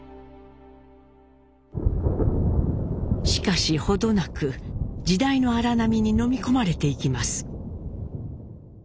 しかし程なく時代の荒波にのみ込まれていきます。